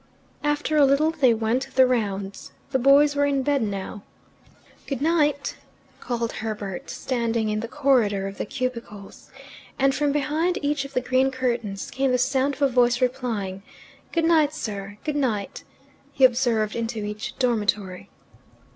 After a little they went the rounds. The boys were in bed now. "Good night!" called Herbert, standing in the corridor of the cubicles, and from behind each of the green curtains came the sound of a voice replying, "Good night, sir!" "Good night," he observed into each dormitory.